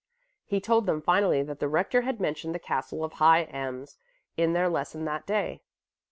He told them finally that the rector had mentioned the castle of High Ems in their lessons that day.